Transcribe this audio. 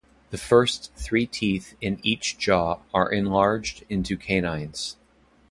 The first three teeth in each jaw are enlarged into canines.